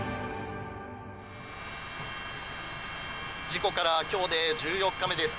事故から今日で１４日目です。